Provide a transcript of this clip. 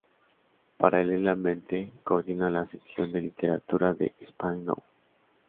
Paralelamente, coordina la sección de literatura de "Spain Now!